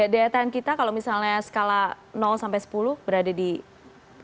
daya tahan kita kalau misalnya skala sepuluh berada di saat ini